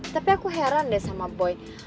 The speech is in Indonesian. tapi aku heran deh sama boy